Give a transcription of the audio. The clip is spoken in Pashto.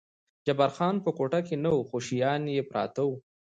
جبار خان په کوټه کې نه و، خو شیان یې پراته و.